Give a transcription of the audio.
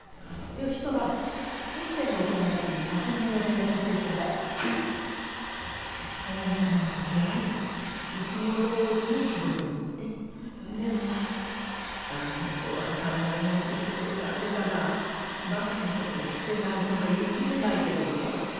吉寅壱成のお友達に確認の連絡してちょうだいはい早梅さんはとりあえずいつもどおりに仕事に行ってでもあの子は考えなしなところがあるからバカなことはしてないとは言い切れないけどね